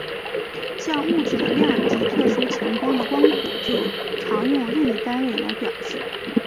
像物质的量及特殊强度的光谱就常用任意单位来表示。